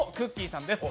さんです。